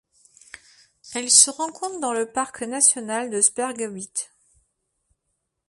Elle se rencontre dans le parc national de Sperrgebiet.